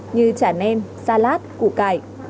như chả nen xa lát củ cải